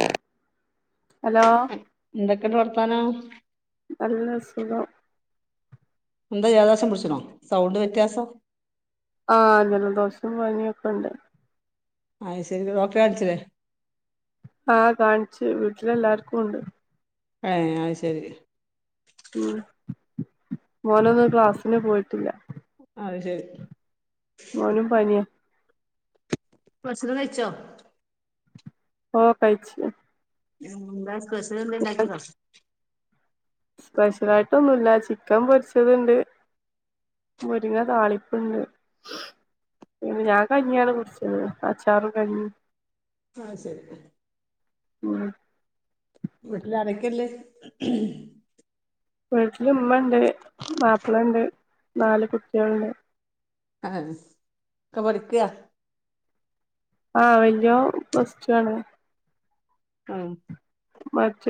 ആ എന്തൊക്കെ [unintelligible] പറ [unintelligible] നല്ല സുഖം എന്താ ജലദോഷം പിടിച്ചനോ സൗണ്ട് വ്യത്യാസം ആ ജലദോഷം പനിയൊക്കെ ഉണ്ട് ആ ശരി ഡോക്ടറെ കാണിച്ചില്ലേ ആ കാണിച്ചു വീട്ടിലെല്ലാർക്കും ഉണ്ട് ഏ അത് ശരി ഉം മോനൊന്നും ക്ലാസ്സിന് പോയിട്ടില്ല അത് ശരി മോനും പനിയ ഭക്ഷണം കയിച്ചോ ഓ കയിച്ചു ഉ ബ [unintelligible] സ്പെഷ്യൽ ഒക്കെ ഉണ്ടാക്കിനോ സ്പെഷ്യലായിട്ടൊന്നുല്ല ചിക്കൻ പൊരിച്ചത്ണ്ട് മുരിങ്ങ താളിപ്പ്ണ്ട് പിന്നെ ഞാൻ കഞ്ഞിയാണ് കുടിച്ചത് അച്ചാറും കഞ്ഞി ആഹ് ശരി ഉം വീട്ടിലാരക്കല്ലേ വീട്ടില് ഇമ്മണ്ട് മാപ്പളണ്ട് നാല് കുട്ടികളണ്ട് അ ഒക്കെ പഠിക്കയാ ആഹ വല്യ പ്ലസ്റ്റു ആണ് ആഹ മറ്റ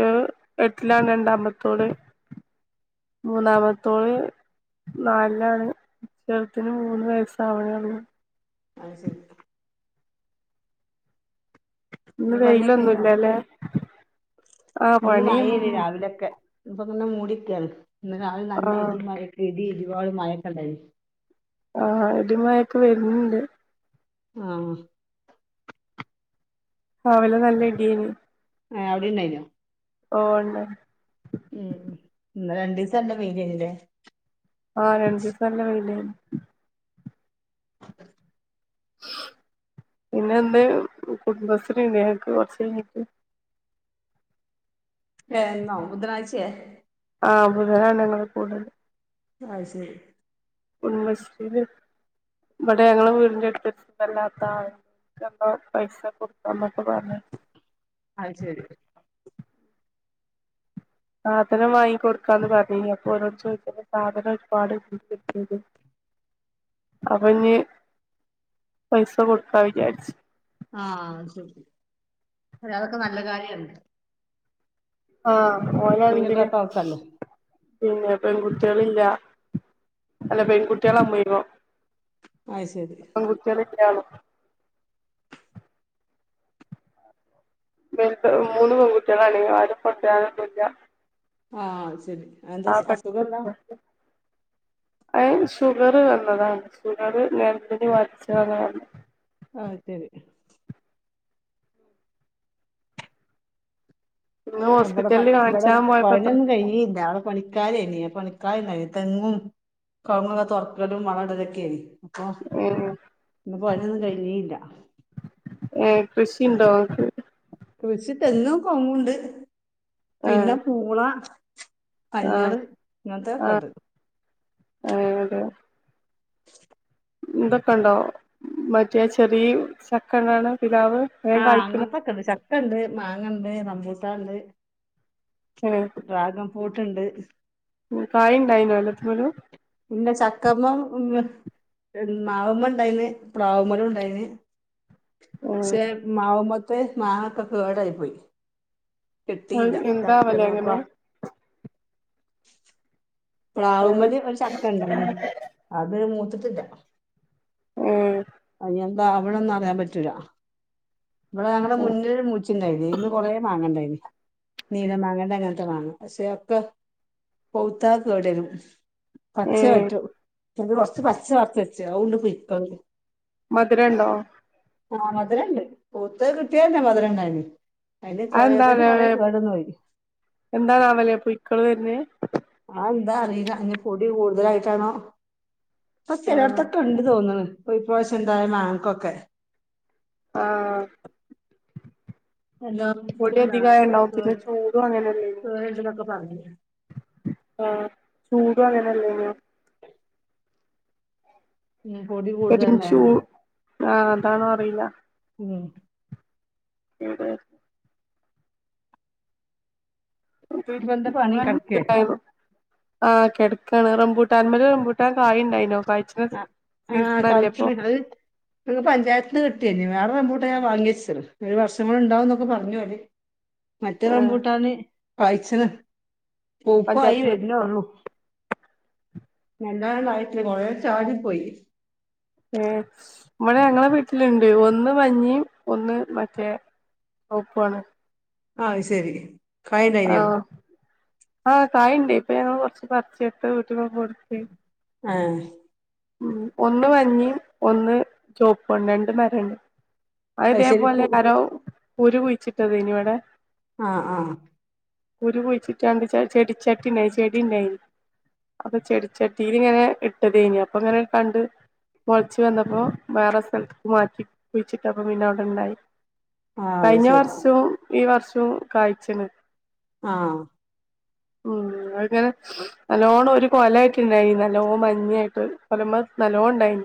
എട്ടിലാണ് രണ്ടാമത്തോള് മൂന്നാമത്തേള് നാലിലാണ് ചെറത്തിന് മൂന്ന് വയസ്സാവണാ ഒള്ള് അത് ശരി ഇന്ന് പണിയൊക്കെ കഴിഞ്ഞോ വെയിലൊന്നുംല്ലല്ലെ ഇന്ന് വായല് രാവിലൊക്കെ ഇപ്പ അങ്ങനെ മൂടിക്കാണ് ഇന്ന് നല്ല ആഹ് ഇടി മഴയൊക്കെ [unintelligible] ഒരുപള് മഴക്കണ്ടായി ആഹ് ഇടി മഴയക്കെ വരന്ന്ണ്ട് ആഹ രവല നല്ല ഇടിയന് ആ അവിടെ ഉണ്ടായില്ലോ ഓണ ഉം ഇന്നലെ രണ്ടിസ നല്ല വെയിലായിരുന്നില്ലേ ആഹ രണ്ടുസ നല്ല വെയിലായിരുന്നു പിന്നെ എന്താ കുടുംബശ്രീന് ഞ്ഞങ്ങക്ക് കുറച്ച് കയിഞ്ഞിട്ട് ഏ ഇന്നോ ബുധനാഴ്ചയേ ആഹ് ബുധനാണ് ഞങ്ങള് കൂടല് അഹ ശരി കുടുംബ സ്രിയില് ഇവിടെ ഞങ്ങള് വീടിന്റെ അടുത്ത് വല്ലാത്ത ആ പൈസ കൊടുക്കാന്നൊക്കെ പറഞ്ഞ അത് ശരി സാധനം വാങ്ങി കൊടുക്കാന്ന് പറഞ്ഞ് അപ്പൊ ഓരോട് ചോദിച്ച സാധനം ഒരുപാട് [unintelligible] പറഞ്ഞ് പൈസ കൊടുക്കാ വിചാരിച്ചു ആഹ ശരി അ അതൊക്കെ നല്ല കാര്യണ് ആഹ ഓനാണെങ്കില് സുഖല്ലാത്ത ആൾക്കല്ലേ പിന്നെ പെൺകുട്ടികളില്ല അല്ല പെൺകുട്ടികള് [unintelligible] അയ് ശരി [unintelligible] ഇവര് മൂന്ന് പെൺകുട്ടികളാണെ ആരും കൊണ്ടരാനൊന്നില്ല ആ ശരി ന്ത എന്ത് അസ് അസുഖന്ത ഏ ഷുഗർ വന്നതാണ് ഷുഗർ നേരത്തെനി ബാധിച്ചാതാണ് ആഹ ശരി ഇന്ന് അവിടെ പ ഹോസ്പിറ്റലില് ഇവിടെ കാണിച്ചാൻ പോയപ്പോ ത്ര പനിയൊന്നും കയിഞ്ഞില്ല പണി ക്കാരായിരിന്നു പണിക്കാര് ണ്ടായിരുന്നു തെങ്ങും കവുങ്ങ് വളം ഇടലും തുറക്കലുമായിരുന്നു ആ ഏഹ് ഇന്ന് പണിയൊന്നും കഴിഞ്ഞീല്ല ഏ കൃഷിണ്ടോക്ക് കച്ചി തെങ്ങും കൊങ്ങുണ്ട് ആഹ് പിന്നെ പൂള ആഹ് അയ്ഞ്ഞാള് ആഹ് ഇങ്ങത്തെക്കണ്ട് [unintelligible] എന്തൊക്കെ ഉണ്ടോ മറ്റേ ചെറിയ ചക്കണ്ണാണ് പിലാവ് ഏ കായ്ക്കുന്ന ഉണ്ട് മാങ്ങണ്ട് റമ്പൂട്ട ണ്ട് ട്രാഗംഫൂട്ട്ണ്ട് കായിണ്ടായിന അലാത്തൊലു മാവമ്മ ഉണ്ടായിന്ന് പ്ലാവമേലു ഉണ്ടായിന്ന് ഏഹ് ശേ മാമ്മദ് മാങ്ങക്കെ കേടായി പോയി കിട്ടിയില്ല എന്താവലേ അങ്ങനെ [unintelligible] ഏഹ് പ്ലാവ്മേല് ഒരു ചക്കണ്ടയിനി അത്റ്ത്ത് [inaudible] [unintelligible] ഉം അയ് എന്താ അവവിണന്നന്ന് അറിയാൻ പറ്റൂല നമ്മള് ഞങ്ങള മുന്നിൽ മുറിച്ചിണ്ടായിന് ഇ കൊറെേ വങ്ങേണ്ടനി നീലമാങ്ങേണ്ട അങ്ങനത്തെ മാങ്ങ പക്ഷേക്കൊ പവുത്താ കേടരും പച്ച ഏഹ് പറ്റൂ എക്ക് കൊറച്ച് പച്ച പർച്ച് ണ്ട് പോയി [unintelligible] മധുരണ്ടോ ആ മതിരണ്ട് മൂത്ത കിട്ടിയന്നെ മതിരണ്ടായിനി എന്താണ് എന്താണ്ല പുഴുക്കള് വരണെ ആ എന്താ അറിയില്ല അതിന് പൊടി കൂടുതലായിട്ടാണോ അ ആഹ് ചിലടത്തൊക്കെ ഉണ്ട് തോന്നുന്നു ഇപ്രവശം എന്തായ മാങ്ങക്കൊക്കെ ആഹ് എല്ലാം പൊടി അധികയാ ഉണ്ടാവത്തില്ല ചൂടും അങ്ങന വേണ്ട തക്കെ പറഞ്ഞ ആഹ് ചൂടും അങ്ങനെല്ലേനോ ഉം പൊടി കൂടുതല ഉണ്ടായോണ്ടേ ആ അതാണോ അറിയില്ല ഉം എവിടെ ഇപ്പൊ എന്താ പണി കിടക്കേ [inaudible] ആ കിടക്കാണ് റംബൂട്ടാൻ മോൽ റംബൂട്ടാൻ കായ ഉണ്ടായിനോ. ആ ആ കഴിച്ചനി ഇങ്ങള് [unintelligible] പഞ്ചായ തെന്നെ കിട്ടിയ വേറെ റംമ്പോട്ടാൻ വാങ്ങിച്ച് ഒരു വർഷ കൂടെ ഉണ്ടാവുന്നൊക്കെ പറഞ്ഞ അവര് മറ്റേ ഏഹ് റംമ്പൂട്ടാന് പായിച്ചന്. പൂപ്പായി പഞ്ചായത്ത്ന്ന് വരുന്നെയുള്ളു. നല്ലനെ ആയിട്ടല്ല കോറെ ചാടിപ്പോയി ഏ നമ്മടെ ഞങ്ങളെ വീട്ടിലുണ്ട് ഒന്ന് മഞ്ഞയും, ഒന്ന് മറ്റേ ചെവപ്പാണ്. ആ ശരി കായ് ആ ഉണ്ടായിനോ ആഹ് കായണ്ടേ അപ്പ ഞങ്ങള് കൊറച്ച് പറിച്ചെടുത്ത് അടുത്ത വീടികെയൊക്കെ കൊടുത്ത് ആ ഉം ഒന്ന് മഞ്ഞയും ഒന്ന് ചോപ്പണ്ട് രണ്ട് മരണ്ട്. അത് ശരി കു ഇതേപോലെ ആരോ കുരു കുഴിച്ചിട്ടതയ്നി ഇവിടെ ആ ആ കുരുകുഴിച്ചിട്ടാണ്ട് ച ചെടിച്ചട്ടി ഉണ്ടായിനി ചെടി ഉണ്ടായിനി അപ്പൊ ചെടിച്ചട്ടിൽ ഇങ്ങനെ ഇട്ടതെയ്നു. അപ്പ അങ്ങനെ കണ്ട് മുളച്ച് വന്നപ്പോ വേറെ സ്ഥലത്ക്ക് മാറ്റി കുഴിച്ചിട്ടപ്പോ പിന്നെ അവിടെ ഉണ്ടായി. ആഹ് അത് കഴിഞ്ഞ ശരി വർഷവും ഈ വർഷവും കാഴ്ച്ണ് ആ ഉം അങ്ങനെ നല്ലോണം ഒരു കൊലായിട് ണ്ടായി നല്ലോ മഞ്ഞയാ കൊലമ്മേ നല്ലോണം ഉണ്ടായി.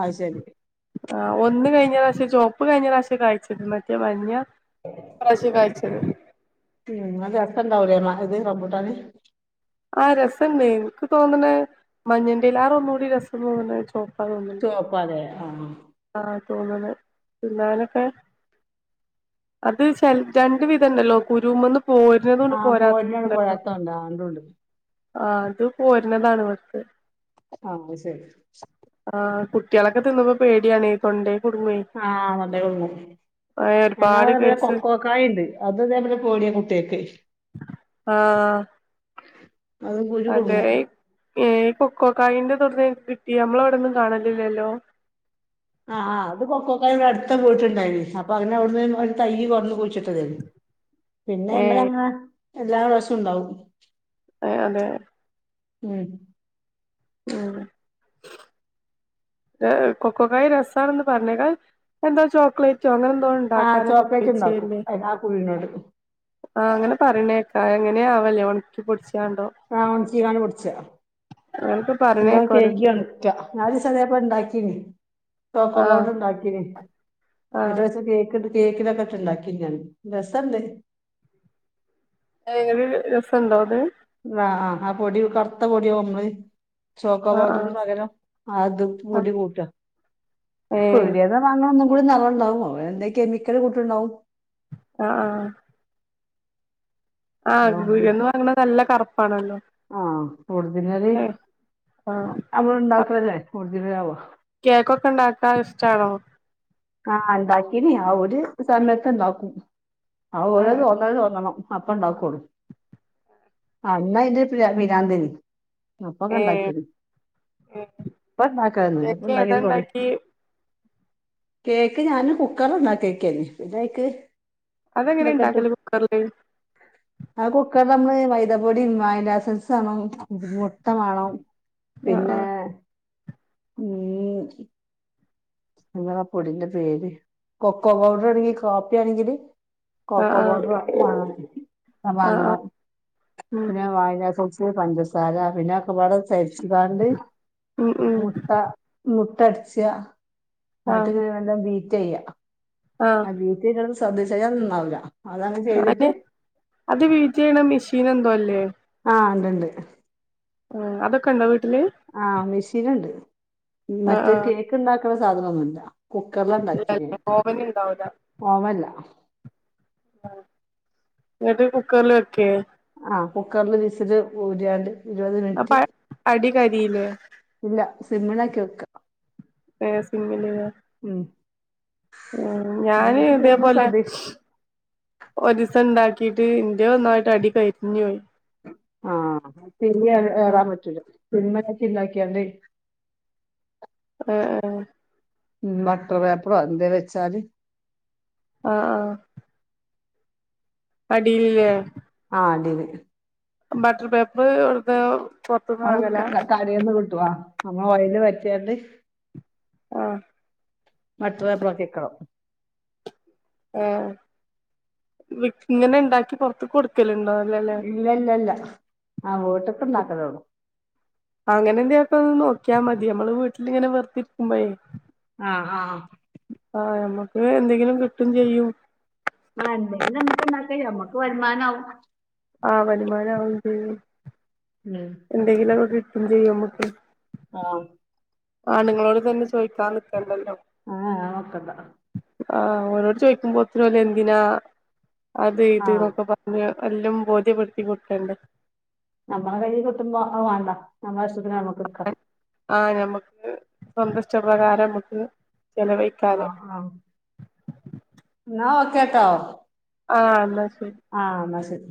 അയ് ശരി ആ ഒന്ന് കഴിഞ്ഞ പ്രാവശ്യം ചോപ്പ് കഴിഞ്ഞ പ്രാവശ്യം കഴിച്ച്ണ് മറ്റേ മഞ്ഞ ഇപ്രാവശ്യം കായിച്ചത്. ഉം അത് രസണ്ടാവൂലേ മ ഇത് റംബൂട്ടാന് ആ രസണ്ട് എനിക്ക് തോന്ന്ണെ മഞ്ഞന്റെലാറെ ഒന്നൂടി രസം തോന്ന്ണെ ചോ ചോപ്പാലെ ആ തോന്ന്ണ് തിന്നാനൊക്കെ അത് ചെൽ രണ്ട് വിധണ്ടല്ലോ കുരുമന്ന് ആ പോര്ണുണ്ട് പോരാത്തുണ്ട് ആ രണ്ടുണ്ട്. ആ അത് പോര്നതാണ് വ്ട്ത്തെ ആ അ ശരി കുട്ട്യാളൊക്കെ തിന്ന്മ്പോ പേടിയാണെ തൊണ്ടേ കുടുങ്ങുവേ ആ തൊണ്ടേ കുട്ങ്ങും ആ ഒരുപാട് ഞങ്ങളിവിടെ പിന്നെ കേസ് കൊക്കോക്കായിണ്ട് അത് തേ പോലെ കോര്യാ കുട്ട്യേക്ക് ആഹ് അത് കുരു കുടുങ്ങും ഏയ് കൊക്കോക്കായിന്റെ തൊട്ന്നയ് ങ്ങക്ക്കിട്ടി നമ്മളവടൊന്നും കാണലില്ലല്ലോ അഹ് ആഹ് അത് കൊക്കൊകായി വടട്ത്ത വീട്ടിലിണ്ടായിനി അപ്പൊ അങ്ങനെ അവ്ടുന്ന് ഒരു തൈയ് കൊട്ന്ന് കുഴിച്ട്ട് [unintelligible] പിന്നെ ഏ അയ്മ്മലങ്ങനെ എല്ലാ പ്രാശുണ്ടാവും എഹ് അതെ ഉം ഉം കൊക്കോക്കായി രസാണ്ന്ന് പറഞ്ഞേക്ക അഹ് അത് എന്താ ചോക്ലേറ്റ് ആഹ് ചോക്ലേറ്റ് ഇണ്ടാക്കും അയ് അഹ് കുരുനോട് ആഹ് അങ്ങനെ പറിണേക്കാ എങ്ങനെയാവലേ ഒൺക്കി പൊടിച് ആഹ് ഒൺക്കികാണ്ട് പൊടിച്ച അങ്ങനൊക്കെ നല്ലോം പറയണേക്കാ കെയ്കി ഓരോരുത്തര് ഒൺക്ക നാലിസ് അതേപ്പോലെ ണ്ടാക്കീനി തോക്കോ ആ പൗഡർ ണ്ടാക്കിനി ആ നട്ടാചേ കേക്ക്ണ്ട കേക്കിലക്കട്ട്ണ്ടാക്കി ഞാൻ രസണ്ട് എങ്ങനേ രസണ്ടോത്? ആഹ് ആഹ് ആ പൊടിം കർത്ത പൊടിയോ [unintelligible] ചോക്കോ ആ ആ പൗടറിന് പകരം അതും ആ പൊടി കൂട്ടാ ഏ പീട്യേന്ന് വാങ്ങണ [unintelligible] എന്തെ കെമിക്കല് കൂട്ടിണ്ടാവും ആഹ് ആഹ് ആ ഒറിജി പീട്യേന്ന് വാങ്ങ്ണ നല്ല കറുപ്പ് ആണല്ലോ ആ ഒറിജിനല് ഏഹ് ആഹ് നമ്മള് അപ് ഉണ്ടാക്കലല്ലേ ഒറിജിനലാവോ കേക്കൊക്കെണ്ടാക്കാൻ ഇഷ്ടാണോ? ആഹ് ഇണ്ടാക്കീനി ആ ഒരു സമയത്ത്ണ്ടാക്കും ആഹ് ആ ഓരോ തോന്നല് തോന്നണം. അപ്പണ്ടാക്കുള്ളൂ അന്നയ്ന്റെ പിരാ പിരാന്തയ്നി അപ്പൊക്കെ ഏ ഇണ്ടാക്കീന് ഏ ഇപ്പ ഇണ്ടാക്കലൊന്നുല്ല ഇപ്പൊ കേക്ക് ഏതാ ഇണ്ടാക്കീട്ട് കൊറെ ഇണ്ടാക്കി കേക്ക് ഞാന് കുക്കറ് [unintelligible] ഇതേക്ക് അതെങ്ങനെ ഇണ്ടാക്കല് കുക്കറില്? അത് കുക്കറില് നമ്മള് മൈതപൊടി, വാനില എസൻസ് വാണം, മുട്ട മാണം ആഹ് പിന്നെ ഉം നിങ്ങളാ പൊടിന്റെ പേര് കൊക്കോ പൗഡർ ആണെങ്കിൽ കാപ്പി ആണെങ്കില് ആഹ് കൊക്കോ ആഹ് പൗഡറ് വാ മാണം ആഹ് ആഹ് വാങ്ങണം ആഹ് പിന്നെ വായന പിന്നെ പഞ്ചസാര പിന്നെ പിള്ളേരെ ചോദി ഷിഖാന്റ് ഉം ഉം ഉം മുത്ത മു തൊടച്ചയാ അത് ആഹ് വന്ത ബീ ജയ ആഹ് അ വീട്ടിന്ന് ശ്രെദ്ധിച്ചിട്ടൊന്നും ഉണ്ടാവില്ല അനെ അത് വീറ്റ് ചെയ്യണ മെഷീൻ ഉണ്ടല്ലോ ആ ഉണ്ട്ണ്ട് ആ അതൊക്കെങ്ങൾ ആ മേഷനുണ്ട് ആഹ് മറ്റേ ആഹ് കേക്ക് ഇണ്ടാ ഇപ്പൊ സാധനൊന്നുല്ലാ കുക്കറില ഉണ്ടാക്കിയത് ഇല്ലല്ലേ ഓവൻ ഇണ്ടാവൂല ഓവല്ല എന്നിട്ട് കുക്കറിലക്കിയോ ആ കുക്കറിൽ വിസ്സിൽ വാര്യാണ്ട് ഇരുപത് അപ്പ മിനിറ്റ് അടി കരിയില്ലേ ഇല്ല സിമ്മിൽ ഓക്കെ ക്കെ ലോ സിമ്മിലിടുക ഉം ഉ ഞാന് വീട്ടിൽ ഫേമസ് ഇതേപോലെ അത് ഒരൂസം ഉണ്ടാക്കി ക്കീട്ട് ഇത്‌ നന്നായിട്ട് അടി കരിഞ്ഞുപോയി ആ ശരി ഏറാ ഏറാൻ പറ്റൂല സിമിലൊക്കെ ഇണ്ടാക്കിയൊണ്ട് ആ ആ ഉം ബട്ടർ പേപ്പറൊ എന്തേലും വെച്ചാല് ആഹ് ആഹ് അടില്ലേ ആഹ് അടില്ല് ബട്ടർ പേപ്പർ വെക്കാ അത് ക ക കടെന്ന് കിട്ടു ആ അമ്മ വയല് പറ്റൊണ്ട് ആഹ് [unintelligible] ഏ ഇ ഇങ്ങനെ ഉണ്ടാക്കി പുറത്ത് കൊടുക്കല് ഇല്ല ഇല്ല ഇല്ല ആ വോട്ട് മാത്രെ ഉള്ളു അങ്ങനെന്നാട്ടോ ഒന്ന് നോക്ക്യാ മതി അമ്മള് വീട്ടിലിങ്ങനെ വെർത് ര്ക്കുമ്പയേ ആഹ് ആഹ് ആഹ് നമ്മുക്ക് എന്തെങ്കിലും കിട്ടും ചെയ്യും ആ എന്തെങ്കിലും നമ്മുക്ക്ണ്ടാക്കെ നമ്മക്ക് വരുമാനാവും ആഹ് വരുമാനാവും ചെയ്യും ഉം. എന്തെങ്കിലൊക്കെ കിട് ചെയ്യമ്മക്ക് ആഹ് ആണുങ്ങളോട് തന്നെ ചോദിക്കാൻ നിക്കണ്ടല്ലോ ആഹ് ക്കണ്ട ആഹ് ഓരോട് ചോയ്ക്കുമ്പോത്തിനോല് എന്തിനാ അത് ആ ഇത് എന്നൊക്കെ പർഞ് എല്ലും ബോധ്യപ്പെട്ത്തി കൊട്ക്കണ്ടേ നമ്മളെ കയ്യി കിട്ടുമ്പോ അഹ് മാണ്ട നമ്മളെ ഇഷ് ന് അമ്മക്ക്ട്ക്ക ആഹ് ഞമ്മക്ക് സന്തുഷ്ടപ്രകാരം അമ്മക്ക് ആഹ് ആഹ് എന്ന ഓ ക്കാട്ടോ ആ എന്ന ശെ ആ എന്നാ ശരി